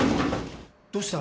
どうした？